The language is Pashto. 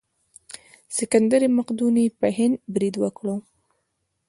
سکندر مقدوني په هند برید وکړ.